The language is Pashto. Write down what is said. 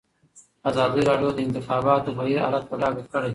ازادي راډیو د د انتخاباتو بهیر حالت په ډاګه کړی.